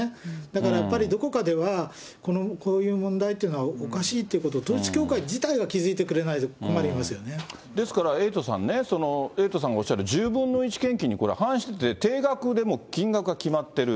だからやっぱりどこかでは、このこういう問題というのは、おかしいということを、統一教会自体が気付いてくれないと困ですから、エイトさんね、エイトさんがおっしゃる１０分の１献金にこれ、反して、定額でもう金額が決まってる。